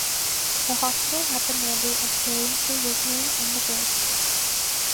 The hospital had the mandate of caring for workmen on the bridge.